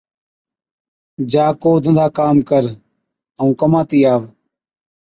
جا ڪو ڌنڌا ڪام ڪر، ائُون ڪماتِي آوَ۔